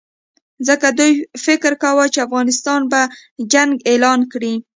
ځکه دوی فکر کاوه چې افغانستان به جنګ اعلان کړي.